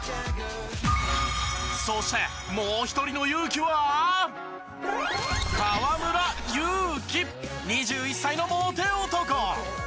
そして、もう１人のユウキは河村勇輝、２１歳のモテ男。